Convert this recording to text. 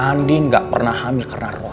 andi gak pernah hamil karena roh